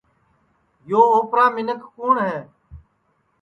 یو اوپرا منکھ کُوٹؔ ہے